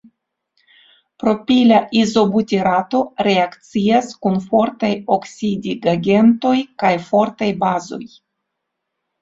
Propila izobutirato reakcias kun fortaj oksidigagentoj kaj fortaj bazoj.